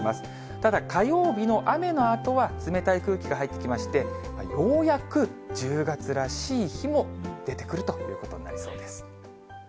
ただ火曜日の雨のあとは、冷たい空気が入ってきまして、ようやく１０月らしい日も出てくるということになりそうです。